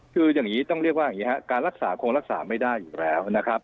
คืออย่างนี้ต้องเรียกว่าอย่างนี้ครับการรักษาคงรักษาไม่ได้อยู่แล้วนะครับ